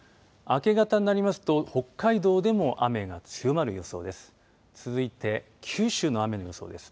明け方になりますと北海道でも雨が強まる予想です。